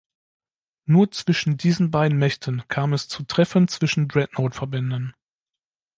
Nur zwischen diesen beiden Mächten kam es zu Treffen zwischen Dreadnought-Verbänden.